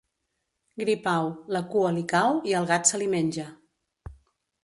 Gripau, la cua li cau i el gat se li menja.